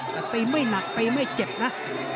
แต่ตีไม่หนักตีไม่เจ็บนะ